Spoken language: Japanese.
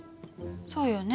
そうよね。